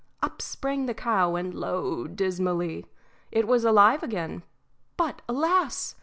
up sprang the cow and lowed dismally. It was alive again; but, alas!